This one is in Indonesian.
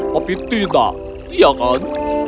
tapi tidak iya kan